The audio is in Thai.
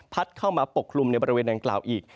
เข้ามาปกคลุมในบริเวณดังกล่าวอีก